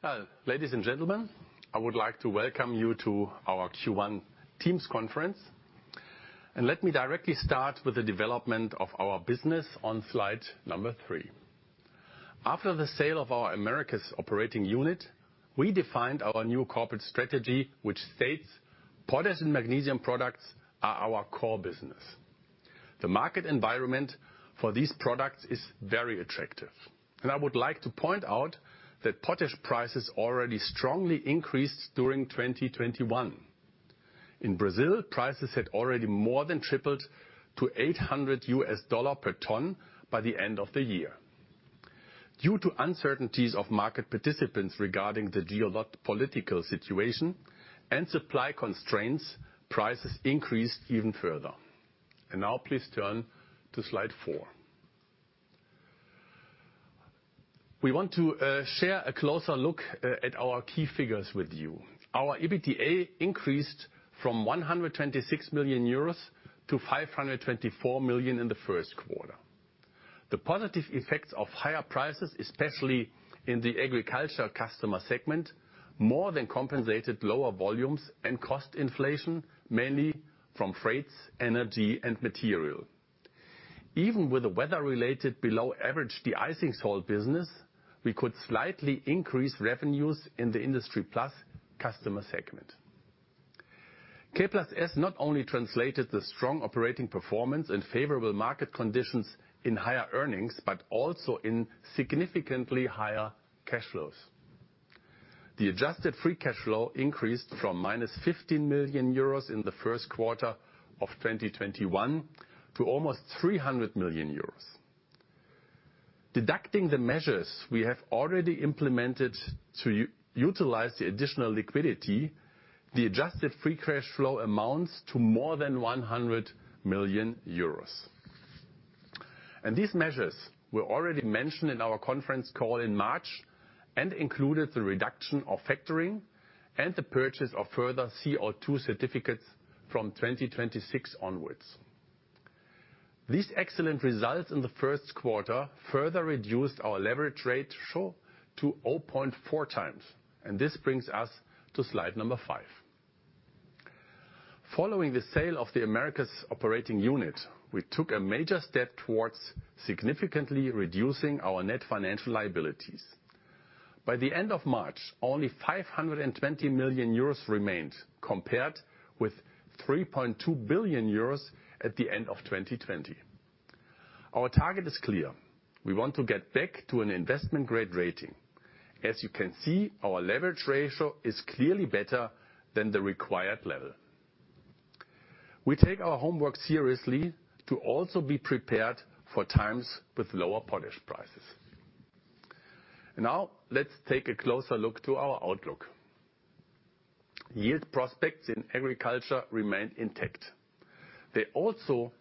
Well, ladies and gentlemen, I would like to welcome you to our Q1 earnings conference. Let me directly start with the development of our business on slide number three. After the sale of our Americas operating unit, we defined our new corporate strategy, which states, potash and magnesium products are our core business. The market environment for these products is very attractive. I would like to point out that potash prices already strongly increased during 2021. In Brazil, prices had already more than tripled to $800 per ton by the end of the year. Due to uncertainties of market participants regarding the geopolitical situation and supply constraints, prices increased even further. Now please turn to slide four. We want to share a closer look at our key figures with you. Our EBITDA increased from 126 million euros to 524 million in the first quarter. The positive effects of higher prices, especially in the agricultural customer segment, more than compensated lower volumes and cost inflation, mainly from freights, energy, and material. Even with the weather-related below average deicing salt business, we could slightly increase revenues in the Industry plus customer segment. K+S not only translated the strong operating performance and favorable market conditions into higher earnings, but also into significantly higher cash flows. The adjusted free cash flow increased from -15 million euros in the first quarter of 2021 to almost 300 million euros. Deducting the measures we have already implemented to utilize the additional liquidity, the adjusted free cash flow amounts to more than 100 million euros. These measures were already mentioned in our conference call in March and included the reduction of factoring and the purchase of further CO2 certificates from 2026 onwards. These excellent results in the first quarter further reduced our leverage ratio to 0.4x, and this brings us to slide number five. Following the sale of the Americas operating unit, we took a major step towards significantly reducing our net financial liabilities. By the end of March, only 520 million euros remained, compared with 3.2 billion euros at the end of 2020. Our target is clear. We want to get back to an investment-grade rating. As you can see, our leverage ratio is clearly better than the required level. We take our homework seriously to also be prepared for times with lower potash prices. Now, let's take a closer look to our outlook. Yield prospects in agriculture remain intact. They also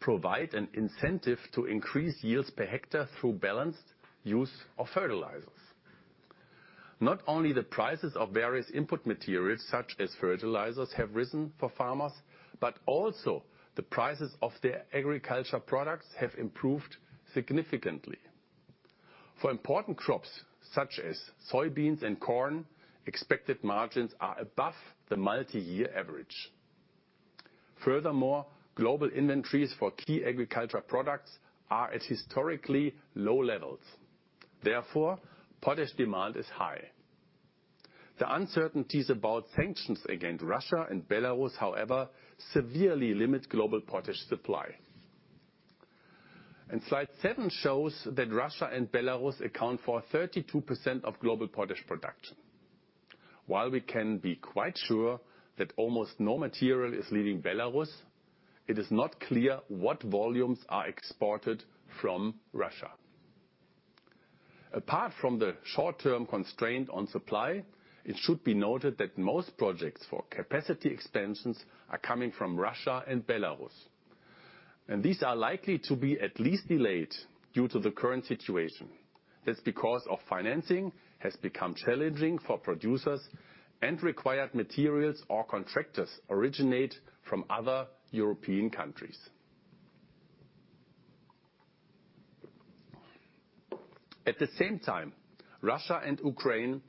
provide an incentive to increase yields per hectare through balanced use of fertilizers. Not only the prices of various input materials, such as fertilizers, have risen for farmers, but also the prices of their agricultural products have improved significantly. For important crops, such as soybeans and corn, expected margins are above the multi-year average. Furthermore, global inventories for key agricultural products are at historically low levels. Therefore, potash demand is high. The uncertainties about sanctions against Russia and Belarus, however, severely limit global potash supply. Slide seven shows that Russia and Belarus account for 32% of global potash production. While we can be quite sure that almost no material is leaving Belarus, it is not clear what volumes are exported from Russia. Apart from the short-term constraint on supply, it should be noted that most projects for capacity expansions are coming from Russia and Belarus. These are likely to be at least delayed due to the current situation. That's because financing has become challenging for producers and required materials or contractors originate from other European countries. At the same time, Russia and Ukraine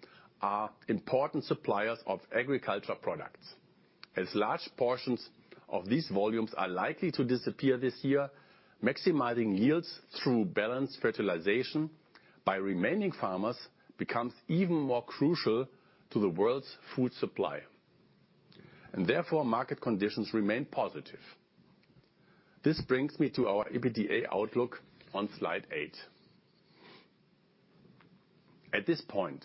are important suppliers of agricultural products. As large portions of these volumes are likely to disappear this year, maximizing yields through balanced fertilization by remaining farmers becomes even more crucial to the world's food supply. Therefore, market conditions remain positive. This brings me to our EBITDA outlook on slide eight. At this point,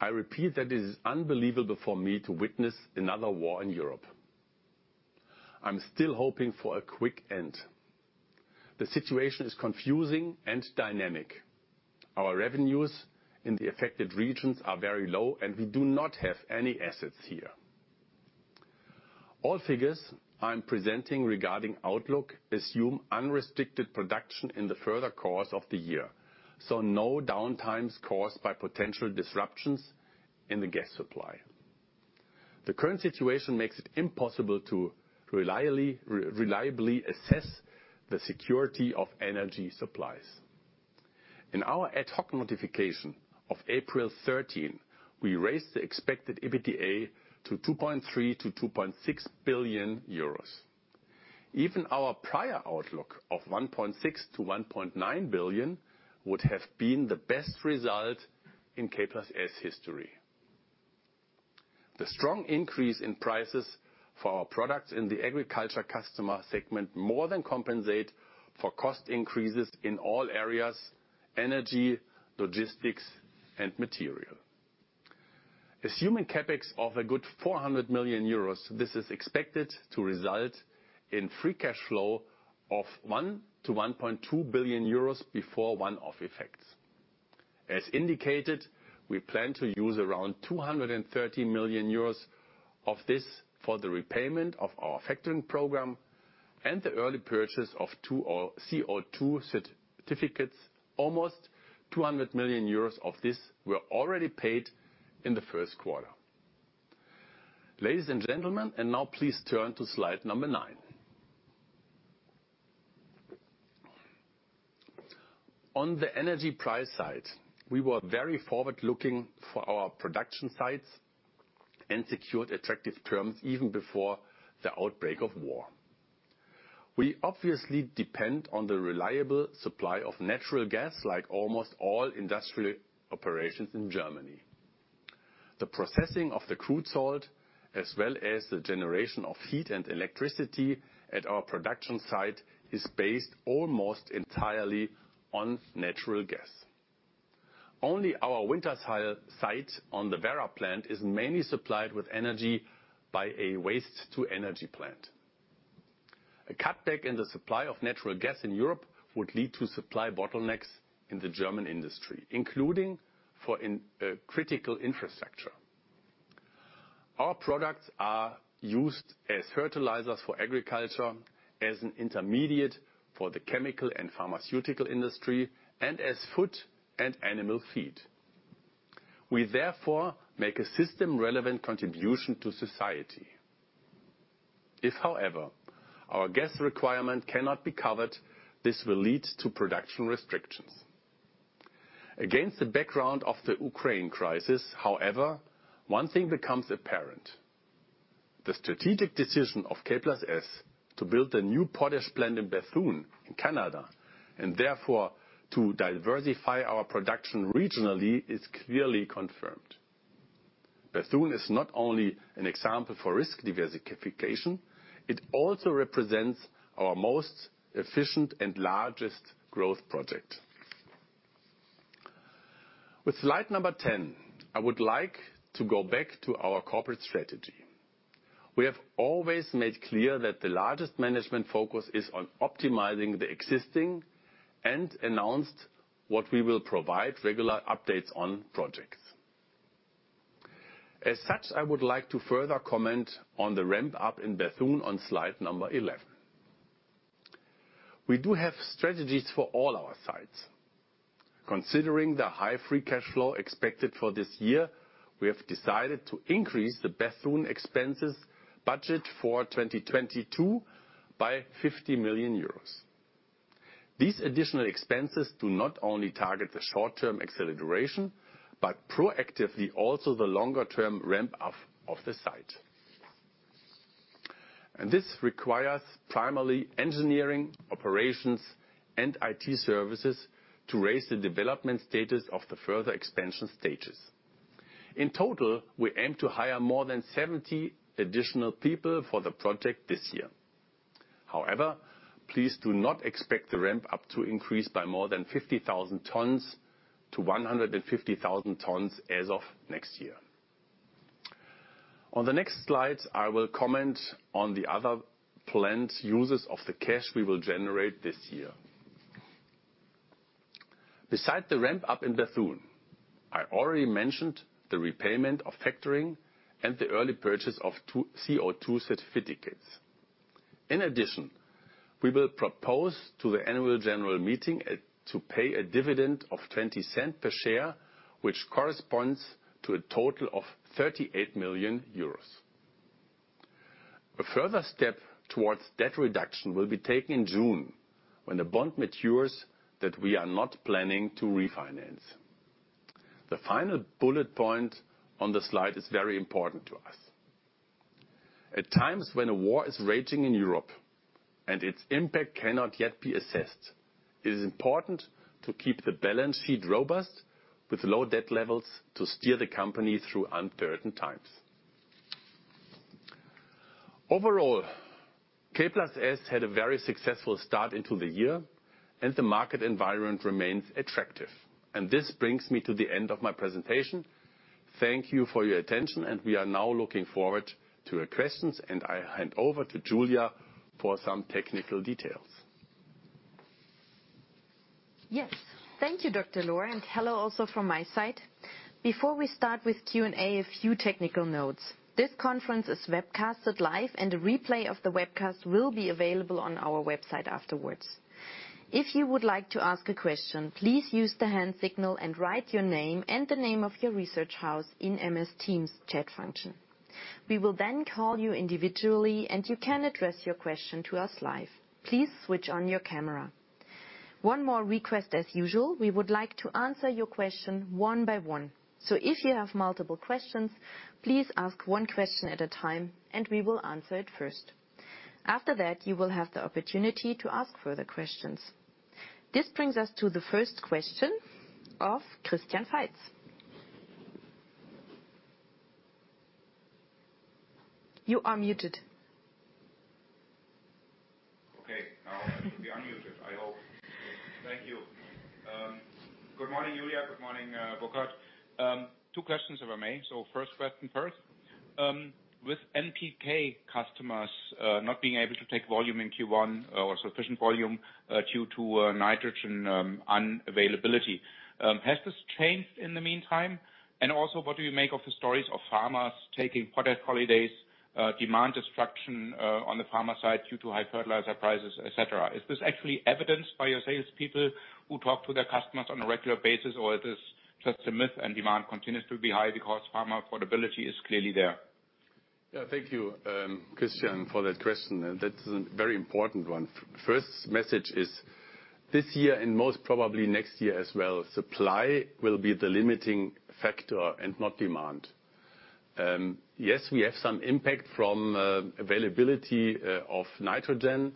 I repeat that it is unbelievable for me to witness another war in Europe. I'm still hoping for a quick end. The situation is confusing and dynamic. Our revenues in the affected regions are very low, and we do not have any assets here. All figures I'm presenting regarding outlook assume unrestricted production in the further course of the year, so no downtimes caused by potential disruptions in the gas supply. The current situation makes it impossible to reliably assess the security of energy supplies. In our ad hoc notification of April 13, we raised the expected EBITDA to 2.3 billion-2.6 billion euros. Even our prior outlook of 1.6 billion-1.9 billion would have been the best result in K+S history. The strong increase in prices for our products in the agriculture customer segment more than compensate for cost increases in all areas, energy, logistics, and material. Assuming CapEx of a good 400 million euros, this is expected to result in free cash flow of 1 billion-1.2 billion euros before one-off effects. As indicated, we plan to use around 230 million euros of this for the repayment of our factoring program and the early purchase of CO2 certificates. Almost 200 million euros of this were already paid in the first quarter. Ladies and gentlemen, and now please turn to slide number nine. On the energy price side, we were very forward-looking for our production sites and secured attractive terms even before the outbreak of war. We obviously depend on the reliable supply of natural gas, like almost all industrial operations in Germany. The processing of the crude salt, as well as the generation of heat and electricity at our production site, is based almost entirely on natural gas. Only our Wintershall site on the Werra plant is mainly supplied with energy by a waste-to-energy plant. A cutback in the supply of natural gas in Europe would lead to supply bottlenecks in the German industry, including in critical infrastructure. Our products are used as fertilizers for agriculture, as an intermediate for the chemical and pharmaceutical industry, and as food and animal feed. We therefore make a system-relevant contribution to society. If, however, our gas requirement cannot be covered, this will lead to production restrictions. Against the background of the Ukraine crisis, however, one thing becomes apparent. The strategic decision of K+S to build a new potash plant in Bethune, in Canada, and therefore to diversify our production regionally, is clearly confirmed. Bethune is not only an example for risk diversification, it also represents our most efficient and largest growth project. With slide 10, I would like to go back to our corporate strategy. We have always made clear that the largest management focus is on optimizing the existing and announced. What we will provide regular updates on projects. As such, I would like to further comment on the ramp-up in Bethune on slide 11. We do have strategies for all our sites. Considering the high free cash flow expected for this year, we have decided to increase the Bethune expenses budget for 2022 by 50 million euros. These additional expenses do not only target the short-term acceleration, but proactively also the longer-term ramp up of the site. This requires primarily engineering, operations, and IT services to raise the development status of the further expansion stages. In total, we aim to hire more than 70 additional people for the project this year. However, please do not expect the ramp-up to increase by more than 50,000 tons to 150,000 tons as of next year. On the next slide, I will comment on the other planned uses of the cash we will generate this year. Besides the ramp-up in Bethune, I already mentioned the repayment of factoring and the early purchase of two CO2 certificates. In addition, we will propose to the annual general meeting to pay a dividend of 20 cents per share, which corresponds to a total of 38 million euros. A further step towards debt reduction will be taken in June when the bond matures that we are not planning to refinance. The final bullet point on the slide is very important to us. At times when a war is raging in Europe and its impact cannot yet be assessed, it is important to keep the balance sheet robust with low debt levels to steer the company through uncertain times. Overall, K+S had a very successful start into the year and the market environment remains attractive. This brings me to the end of my presentation. Thank you for your attention, and we are now looking forward to your questions, and I hand over to Julia for some technical details. Yes. Thank you, Dr. Lohr, and hello also from my side. Before we start with Q&A, a few technical notes. This conference is webcast live, and a replay of the webcast will be available on our website afterward. If you would like to ask a question, please use the hand signal and write your name and the name of your research house in MS Teams chat function. We will then call you individually, and you can address your question to us live. Please switch on your camera. One more request as usual, we would like to answer your question one by one. If you have multiple questions, please ask one question at a time, and we will answer it first. After that, you will have the opportunity to ask further questions. This brings us to the first question of Christian Faitz. You are muted. Okay. Now I should be unmuted, I hope. Thank you. Good morning, Julia. Good morning, Burkhard. Two questions if I may. First question first. With NPK customers not being able to take volume in Q1 or sufficient volume due to nitrogen unavailability, has this changed in the meantime? And also, what do you make of the stories of farmers taking product holidays, demand destruction on the farmer side due to high fertilizer prices, et cetera? Is this actually evidenced by your sales people who talk to their customers on a regular basis, or it is just a myth and demand continues to be high because farmer affordability is clearly there? Yeah. Thank you, Christian, for that question. That's a very important one. First message is this year and most probably next year as well, supply will be the limiting factor and not demand. Yes, we have some impact from availability of nitrogen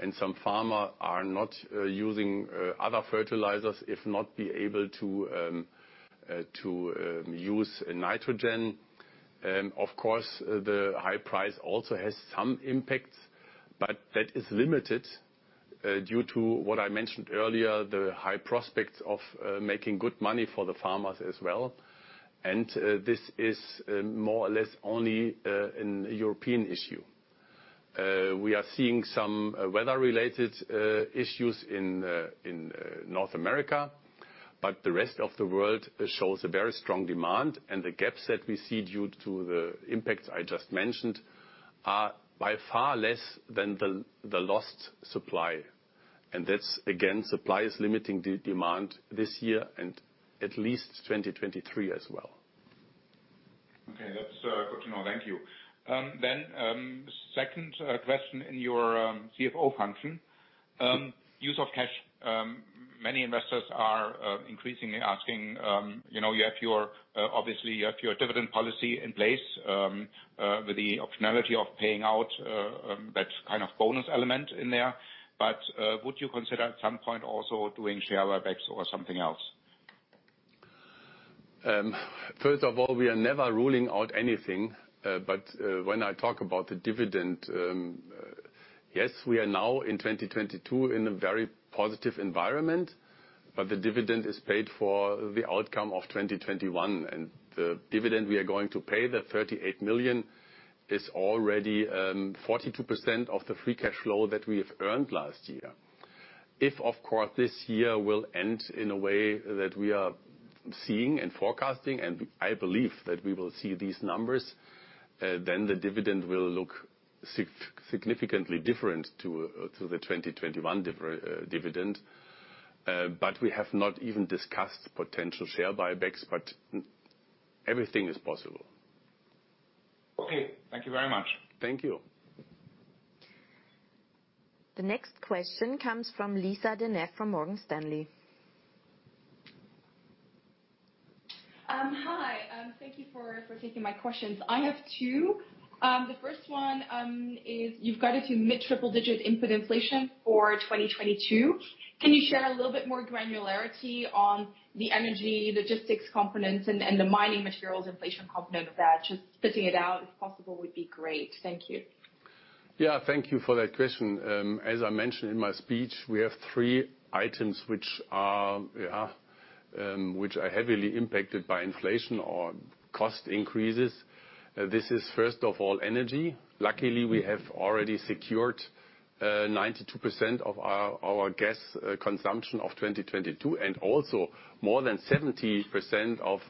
and some farmers are not using other fertilizers if not able to use nitrogen. Of course, the high price also has some impacts, but that is limited due to what I mentioned earlier, the high prospects of making good money for the farmers as well. This is more or less only a European issue. We are seeing some weather-related issues in North America, but the rest of the world shows a very strong demand. The gaps that we see due to the impacts I just mentioned are by far less than the lost supply. That's again supply is limiting the demand this year and at least 2023 as well. Okay. That's good to know. Thank you. Second question in your CFO function. Use of cash, many investors are increasingly asking, you know, obviously you have your dividend policy in place, with the optionality of paying out that kind of bonus element in there. Would you consider at some point also doing share buybacks or something else? First of all, we are never ruling out anything, but when I talk about the dividend, yes, we are now in 2022 in a very positive environment, but the dividend is paid for the outcome of 2021. The dividend we are going to pay, the 38 million, is already 42% of the free cash flow that we have earned last year. If, of course, this year will end in a way that we are seeing and forecasting, and I believe that we will see these numbers, then the dividend will look significantly different to the 2021 dividend. We have not even discussed potential share buybacks, but everything is possible. Okay. Thank you very much. Thank you. The next question comes from Lisa De Neve from Morgan Stanley. Hi. Thank you for taking my questions. I have two. The first one is you've guided to mid-triple digit input inflation for 2022. Can you share a little bit more granularity on the energy logistics components and the mining materials inflation component of that? Just splitting it out, if possible, would be great. Thank you. Thank you for that question. As I mentioned in my speech, we have three items which are heavily impacted by inflation or cost increases. First of all, energy. Luckily, we have already secured 92% of our gas consumption for 2022 and also more than 70% of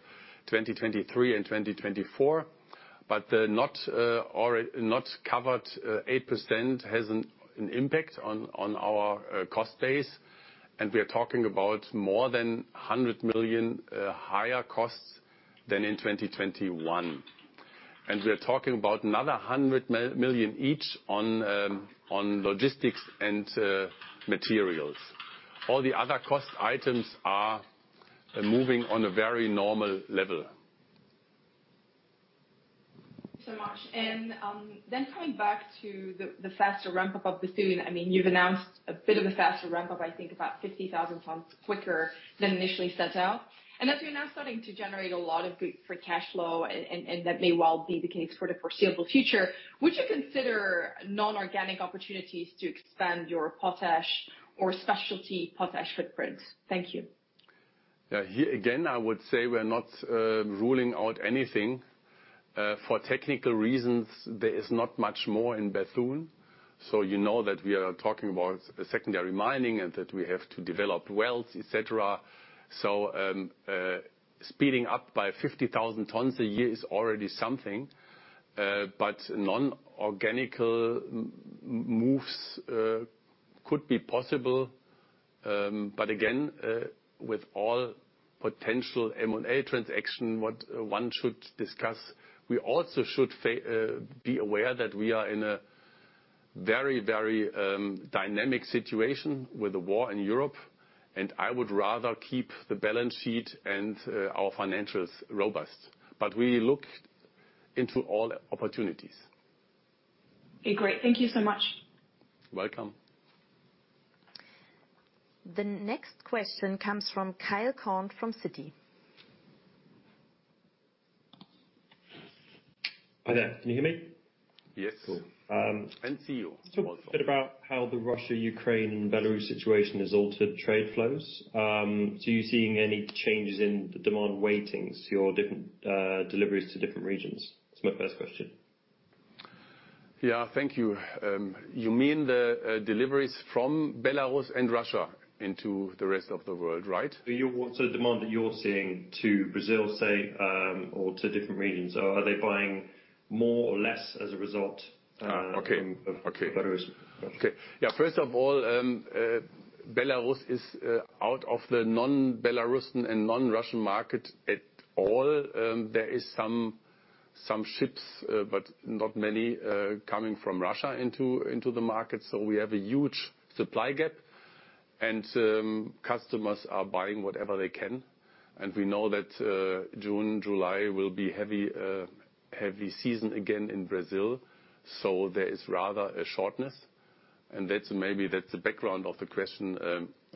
2023 and 2024. But the uncovered 8% has an impact on our cost base. We are talking about more than 100 million higher costs than in 2021. We are talking about another 100 million each on logistics and materials. All the other cost items are moving on a very normal level. Coming back to the faster ramp up of Bethune, I mean, you've announced a bit of a faster ramp up, I think about 50,000 tons quicker than initially set out. As you're now starting to generate a lot of good free cash flow, and that may well be the case for the foreseeable future, would you consider non-organic opportunities to expand your potash or specialty potash footprints? Thank you. Yeah. Here again, I would say we're not ruling out anything. For technical reasons, there is not much more in Bethune. You know that we are talking about secondary mining and that we have to develop wells, et cetera. Speeding up by 50,000 tons a year is already something. But inorganic moves could be possible. But again, with all potential M&A transactions, one should discuss, we also should be aware that we are in a very, very dynamic situation with the war in Europe, and I would rather keep the balance sheet and our financials robust. We look into all opportunities. Okay, great. Thank you so much. Welcome. The next question comes from Kyle Cohn from Citi. Hi there. Can you hear me? Yes. Cool. See you. Talk a bit about how the Russia, Ukraine, Belarus situation has altered trade flows. Are you seeing any changes in the demand weightings, your different deliveries to different regions? That's my first question. Yeah, thank you. You mean the deliveries from Belarus and Russia into the rest of the world, right? Demand that you're seeing to Brazil, say, or to different regions, are they buying more or less as a result? Okay. of Belarus? Okay. Yeah, first of all, Belarus is out of the non-Belarusian and non-Russian market at all. There is some ships, but not many, coming from Russia into the market. We have a huge supply gap and customers are buying whatever they can. We know that June, July will be heavy season again in Brazil, so there is rather a shortage. That's maybe the background of the question.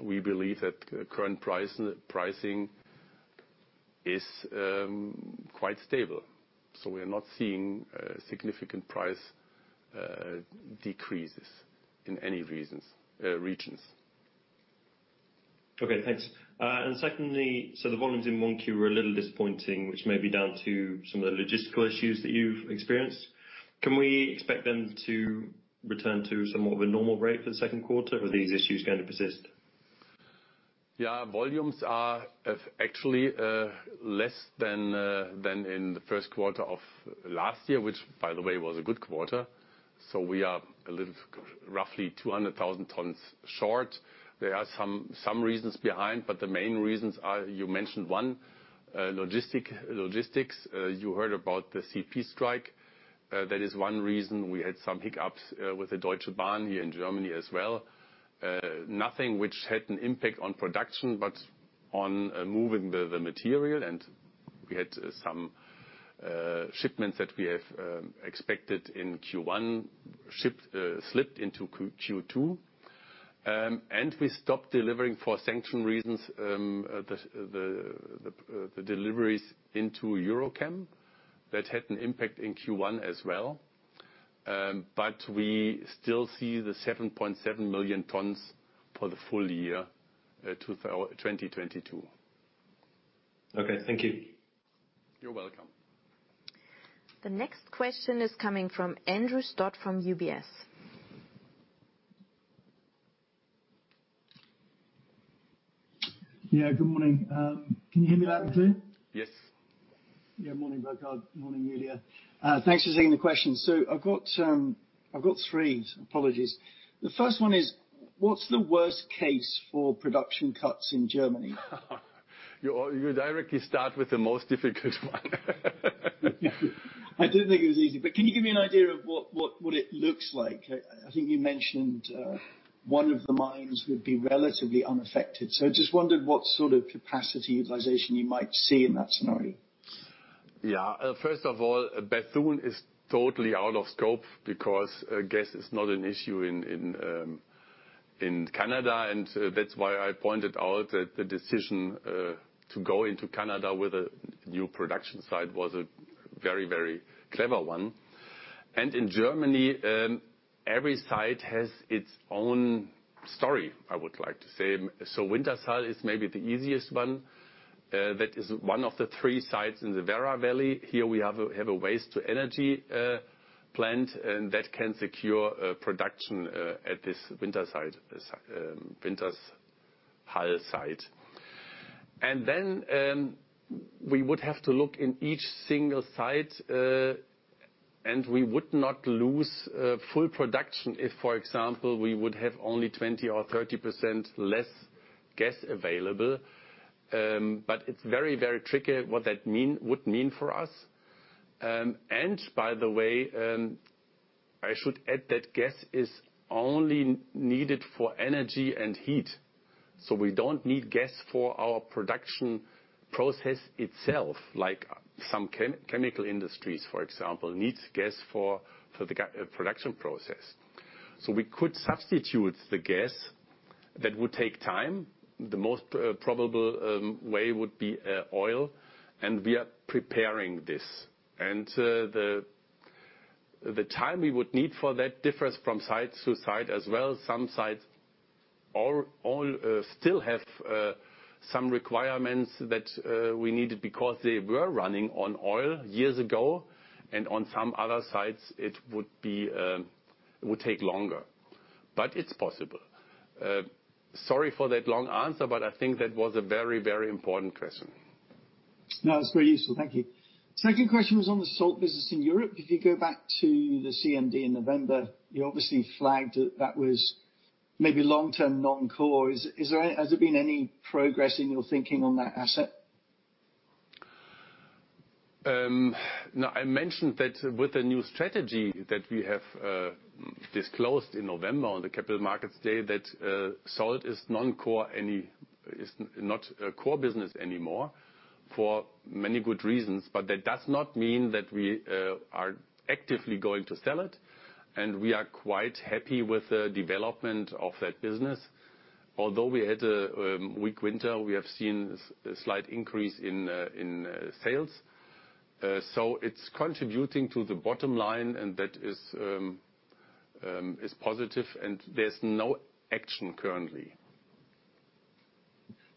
We believe that current pricing is quite stable, so we're not seeing significant price decreases in any regions. Okay, thanks. Secondly, the volumes in 1Q were a little disappointing, which may be down to some of the logistical issues that you've experienced. Can we expect them to return to somewhat of a normal rate for the second quarter, or are these issues going to persist? Yeah, volumes have actually less than in the first quarter of last year, which by the way was a good quarter, so we are a little roughly 200,000 tons short. There are some reasons behind, but the main reasons are, you mentioned one, logistics. You heard about the CP strike. That is one reason we had some hiccups with the Deutsche Bahn here in Germany as well. Nothing which had an impact on production, but on moving the material and we had some shipments that we expected in Q1 slipped into Q2. We stopped delivering for sanctions reasons, the deliveries into EuroChem. That had an impact in Q1 as well. We still see the 7.7 million tons for the full year, 2022. Okay, thank you. You're welcome. The next question is coming from Andrew Stott from UBS. Yeah, good morning. Can you hear me loud and clear? Yes. Yeah. Morning, Burkhard. Morning, Julia. Thanks for taking the questions. I've got three. Apologies. The first one is, what's the worst case for production cuts in Germany? You directly start with the most difficult one. I do think it was easy, but can you give me an idea of what it looks like? I think you mentioned one of the mines would be relatively unaffected, so I just wondered what sort of capacity utilization you might see in that scenario. Yeah. First of all, Bethune is totally out of scope because gas is not an issue in Canada, and that's why I pointed out that the decision to go into Canada with a new production site was a very clever one. In Germany, every site has its own story, I would like to say. Wintershall is maybe the easiest one. That is one of the three sites in the Werra Valley. Here we have a waste-to-energy plant, and that can secure production at this Wintershall site. We would have to look in each single site, and we would not lose full production if, for example, we would have only 20% or 30% less gas available. It's very, very tricky what that would mean for us. By the way, I should add that gas is only needed for energy and heat. We don't need gas for our production process itself, like some chemical industries, for example, needs gas for the production process. We could substitute the gas. That would take time. The most probable way would be oil, and we are preparing this. The time we would need for that differs from site to site as well. Some sites all still have some requirements that we needed because they were running on oil years ago. On some other sites, it would take longer. It's possible. Sorry for that long answer, but I think that was a very, very important question. No, it's very useful. Thank you. Second question was on the salt business in Europe. If you go back to the CMD in November, you obviously flagged that that was maybe long-term non-core. Has there been any progress in your thinking on that asset? No, I mentioned that with the new strategy that we have disclosed in November on the Capital Markets Day, that salt is non-core is not a core business anymore for many good reasons. That does not mean that we are actively going to sell it, and we are quite happy with the development of that business. Although we had a weak winter, we have seen slight increase in sales. It's contributing to the bottom line, and that is positive and there's no action currently.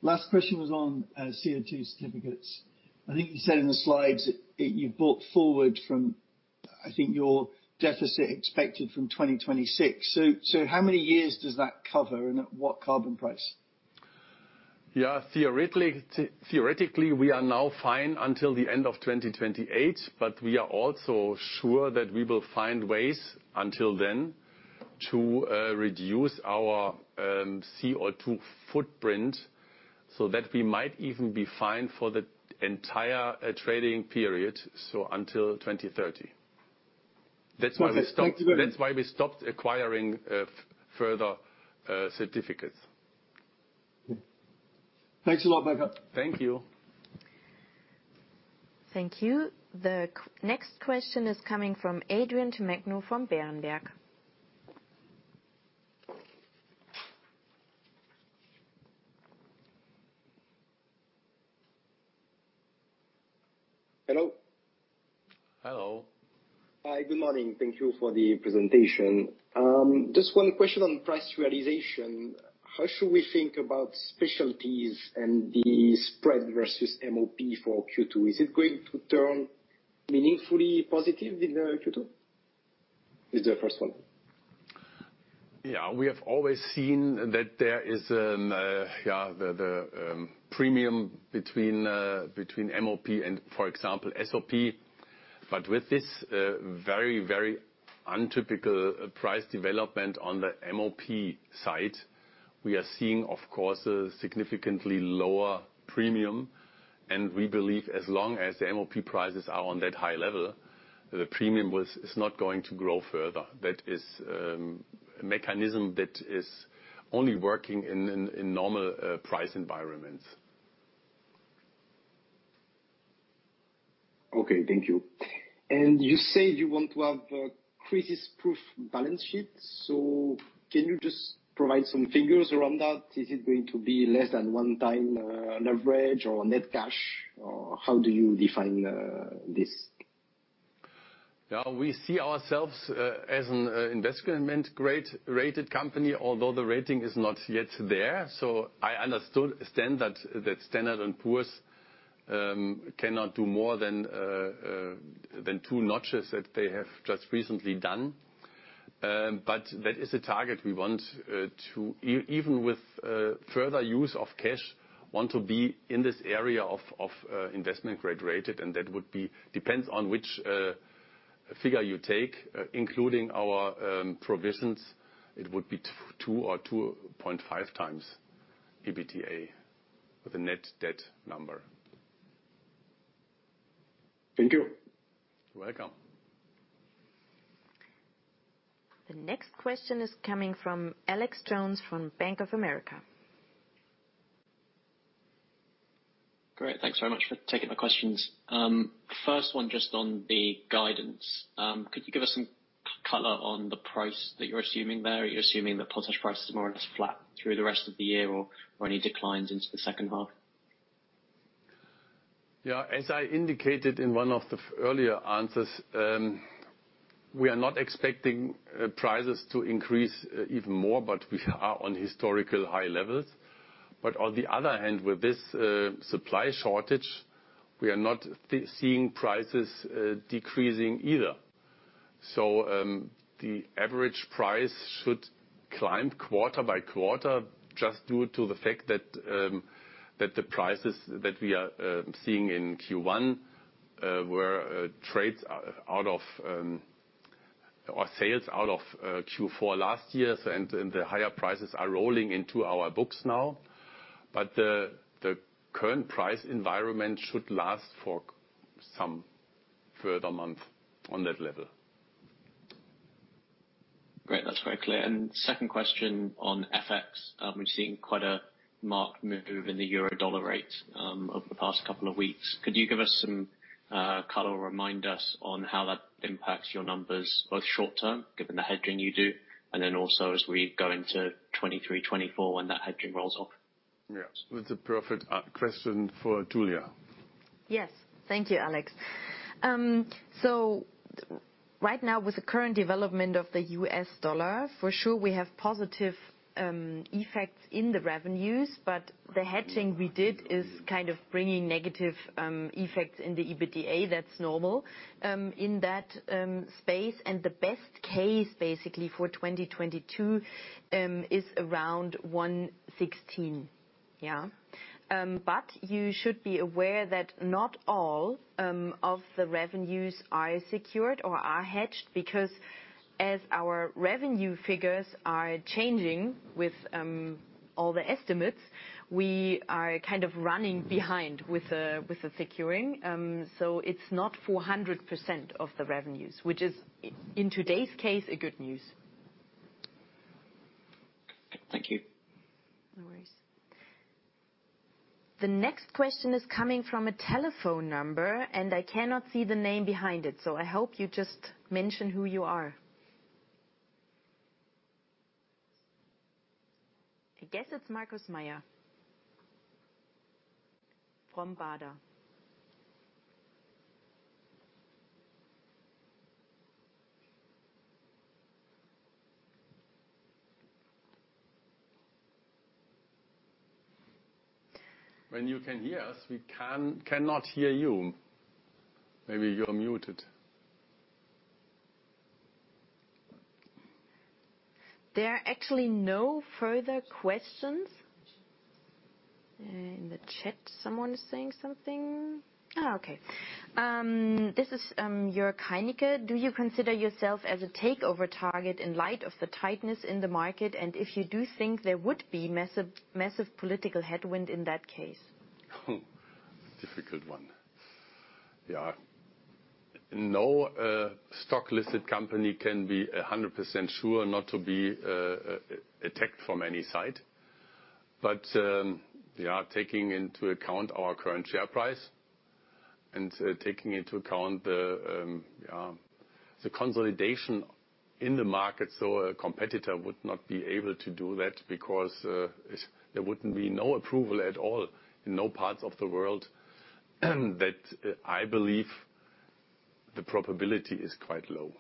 Last question was on CO2 certificates. I think you said in the slides that you brought forward from, I think, your deficit expected from 2026. How many years does that cover, and at what carbon price? Theoretically, we are now fine until the end of 2028, but we are also sure that we will find ways until then to reduce our CO2 footprint so that we might even be fine for the entire trading period, so until 2030. Okay. Thank you. That's why we stopped acquiring further certificates. Thanks a lot, Dr. Lohr. Thank you. Thank you. The next question is coming from Adrian Tamagno from Berenberg. Hello. Hello. Hi, good morning. Thank you for the presentation. Just one question on price realization. How should we think about specialties and the spread versus MOP for Q2? Is it going to turn meaningfully positive in Q2? Is the first one. Yeah. We have always seen that there is the premium between MOP and, for example, SOP. With this very atypical price development on the MOP side, we are seeing, of course, a significantly lower premium, and we believe as long as the MOP prices are on that high level, the premium is not going to grow further. That is a mechanism that is only working in normal price environments. Okay. Thank you. You say you want to have a crisis-proof balance sheet, so can you just provide some figures around that? Is it going to be less than one time leverage or net cash? Or how do you define this? Yeah. We see ourselves as an investment-grade rated company, although the rating is not yet there. I understood that Standard & Poor's cannot do more than two notches that they have just recently done. That is a target we want even with further use of cash to be in this area of investment-grade rated. That would be, depends on which figure you take, including our provisions, it would be two or 2.5 times EBITDA with a net debt number. Thank you. You're welcome. The next question is coming from Alex Jones from Bank of America. Great. Thanks very much for taking my questions. First one just on the guidance. Could you give us some color on the price that you're assuming there? Are you assuming that potash prices are more or less flat through the rest of the year or any declines into the second half? Yeah. As I indicated in one of the earlier answers, we are not expecting prices to increase even more, but we are on historical high levels. On the other hand, with this supply shortage, we are not seeing prices decreasing either. The average price should climb quarter by quarter just due to the fact that the prices that we are seeing in Q1 were trades out of or sales out of Q4 last year, and the higher prices are rolling into our books now. The current price environment should last for some further month on that level. Great. That's very clear. Second question on FX. We've seen quite a marked move in the euro dollar rate over the past couple of weeks. Could you give us some color or remind us on how that impacts your numbers both short term, given the hedging you do, and then also as we go into 2023, 2024 when that hedging rolls off? Yes. That's a perfect question for Julia. Yes. Thank you, Alex. So right now with the current development of the U.S dollar, for sure we have positive effects in the revenues, but the hedging we did is kind of bringing negative effects in the EBITDA. That's normal in that space. The best case basically for 2022 is around 116. Yeah. But you should be aware that not all of the revenues are secured or are hedged, because as our revenue figures are changing with all the estimates, we are kind of running behind with the securing. So it's not 400% of the revenues, which is in today's case, good news. Thank you. No worries. The next question is coming from a telephone number, and I cannot see the name behind it, so I hope you just mention who you are. I guess it's Markus Mayer from Baader. When you can hear us, we cannot hear you. Maybe you're muted. There are actually no further questions. In the chat, someone is saying something. Okay. This is Jörg Heinicke. Do you consider yourself as a takeover target in light of the tightness in the market? And if you do think there would be massive political headwind in that case? Difficult one. Yeah. No stock-listed company can be 100% sure not to be attacked from any side. Taking into account our current share price and taking into account the consolidation in the market, a competitor would not be able to do that because there wouldn't be no approval at all in no parts of the world. That I believe the probability is quite low.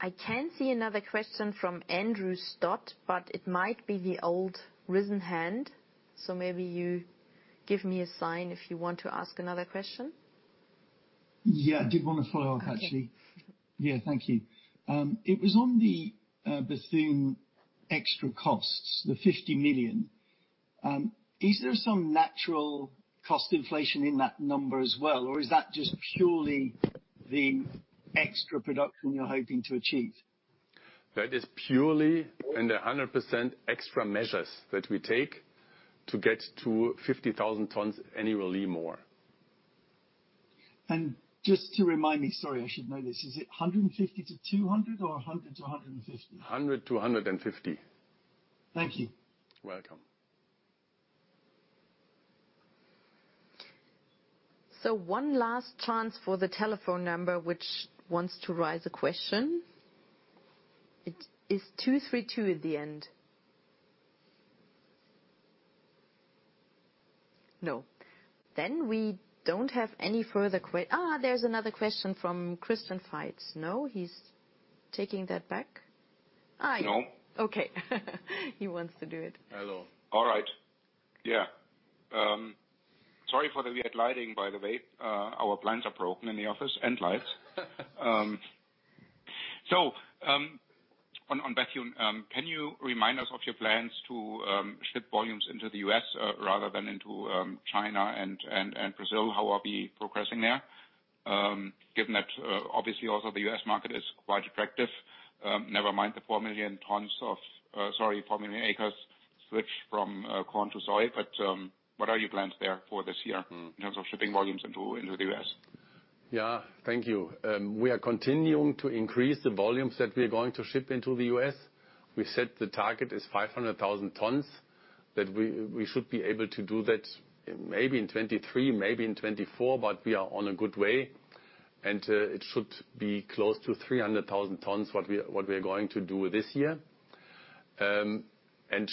I can see another question from Andrew Stott, but it might be the old raised hand, so maybe you give me a sign if you want to ask another question. Yeah, I did wanna follow up, actually. Okay. Yeah, thank you. It was on the Bethune extra costs, the 50 million. Is there some natural cost inflation in that number as well, or is that just purely the extra production you're hoping to achieve? That is purely and 100% extra measures that we take to get to 50,000 tons annually more. Just to remind me, sorry, I should know this. Is it 150 to 200 or 100 to 150? Hundred to hundred and fifty. Thank you. Welcome. One last chance for the telephone number, which wants to raise a question. It is 232 at the end. No. We don't have any further. There's another question from Christian Meyer. No, he's taking that back. Yes. No. Okay. He wants to do it. Hello. All right. Yeah. Sorry for the weird lighting, by the way. Our blinds are broken in the office and lights. So, on Bethune, can you remind us of your plans to ship volumes into the U.S, rather than into China and Brazil? How are we progressing there? Given that, obviously also the U.S market is quite attractive, never mind the four million acres switched from corn to soy. What are your plans there for this year? Mm. In terms of shipping volumes into the U.S.? Yeah. Thank you. We are continuing to increase the volumes that we're going to ship into the U.S. We set the target is 500,000 tons, that we should be able to do that maybe in 2023, maybe in 2024, but we are on a good way, and it should be close to 300,000 tons, what we are going to do this year.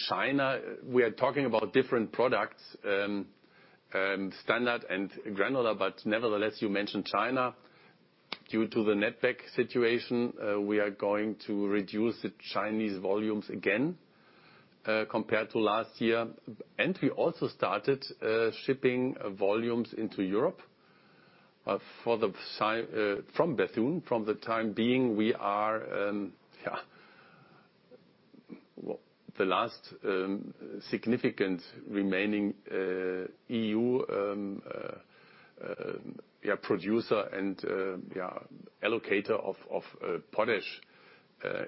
China, we are talking about different products, standard and granular, but nevertheless, you mentioned China. Due to the Netback situation, we are going to reduce the Chinese volumes again, compared to last year. We also started shipping volumes into Europe, from Bethune. For the time being, we are the last significant remaining EU producer and allocator of potash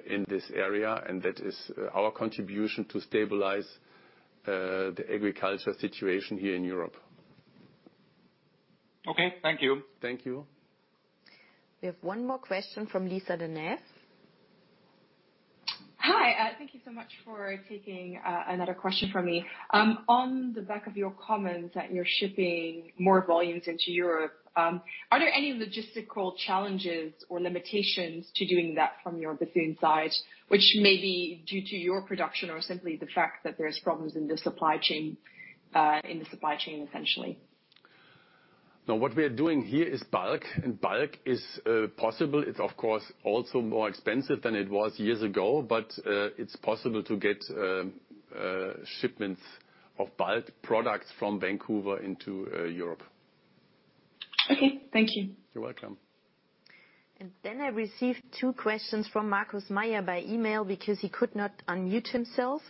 in this area, and that is our contribution to stabilize the agriculture situation here in Europe. Okay. Thank you. Thank you. We have one more question from Lisa De Neve. Hi. Thank you so much for taking another question from me. On the back of your comments that you're shipping more volumes into Europe, are there any logistical challenges or limitations to doing that from your Bethune side, which may be due to your production or simply the fact that there's problems in the supply chain, essentially? No, what we are doing here is bulk, and bulk is possible. It's of course also more expensive than it was years ago, but it's possible to get shipments of bulk products from Vancouver into Europe. Okay, thank you. You're welcome. Then I received two questions from Markus Mayer by email because he could not unmute himself.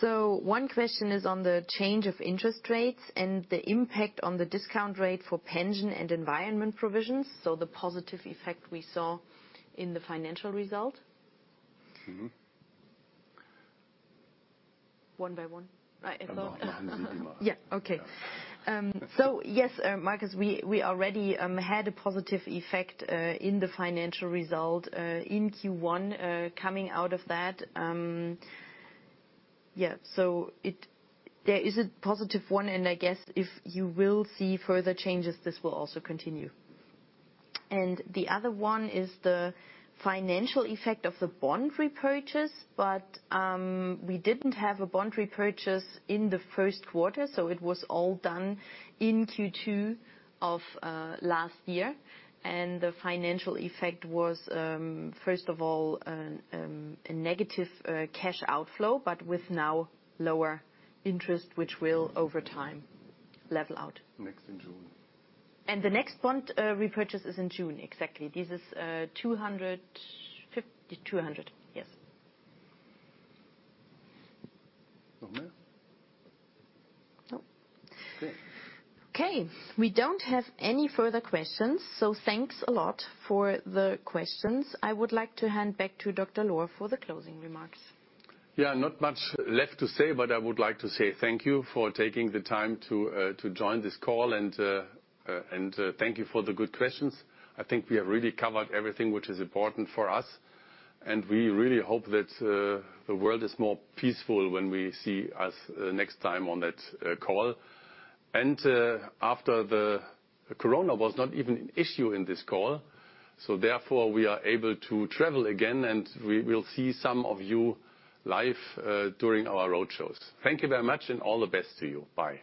One question is on the change of interest rates and the impact on the discount rate for pension and environment provisions. The positive effect we saw in the financial result. Mm-hmm. One by one, right? Yeah. Okay. Yes, Markus, we already had a positive effect in the financial result in Q1, coming out of that. Yeah. There is a positive one and I guess if you will see further changes this will also continue. The other one is the financial effect of the bond repurchase, but we didn't have a bond repurchase in the first quarter, so it was all done in Q2 of last year. The financial effect was first of all a negative cash outflow, but with now lower interest which will over time level out. Next in June. The next bond repurchase is in June. Exactly. This is 200. Yes. No more? No. Okay. Okay, we don't have any further questions, so thanks a lot for the questions. I would like to hand back to Dr. Burkhard Lohr for the closing remarks. Yeah, not much left to say, but I would like to say thank you for taking the time to join this call, and thank you for the good questions. I think we have really covered everything which is important for us. We really hope that the world is more peaceful when we see us next time on that call. Corona was not even an issue in this call, so therefore we are able to travel again, and we will see some of you live during our roadshows. Thank you very much and all the best to you. Bye.